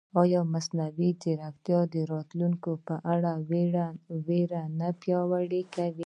ایا مصنوعي ځیرکتیا د راتلونکي په اړه وېره نه پیاوړې کوي؟